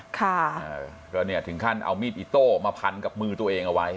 ค่ะเออก็เนี่ยถึงขั้นเอามีดอิโต้มาพันกับมือตัวเองเอาไว้